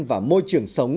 và môi trường sống